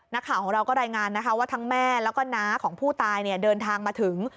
นักข่าวของเราก็รายงานว่าทั้งแม่และน้าของผู้ตายเดินทางมาถึง